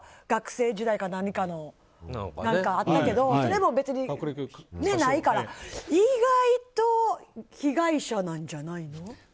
学生時代か何かがあったけどそれも別にないから意外と被害者なんじゃないの？